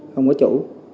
không có chủ